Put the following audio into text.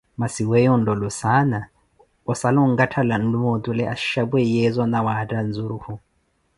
maasi weeyo onlolo saana, ossala onkathala nlume otule achapweiyezo na waatha nzurukhu